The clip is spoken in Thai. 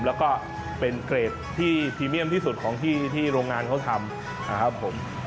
แล้วก็เป็นเกรดที่พรีเมียมที่สุดของที่โรงงานเขาทำนะครับผม